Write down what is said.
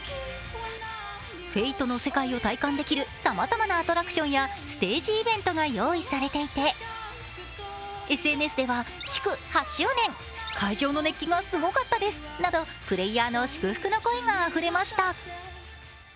Ｆａｔｅの世界を体感できるさまざまなアトラクションやステージイベントが用意されていて、ＳＮＳではプレーヤーの祝福の声があふれました。